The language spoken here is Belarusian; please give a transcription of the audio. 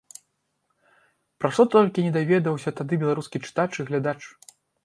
Пра што толькі не даведаўся тады беларускі чытач і глядач!